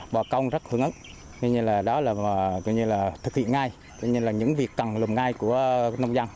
bò con rất hưởng ứng nghĩa là đó là thực hiện ngay nghĩa là những việc cần lùm ngay của nông dân